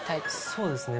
そうですね。